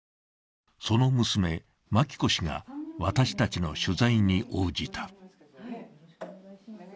その娘・真紀子氏が私たちの取材に応じた。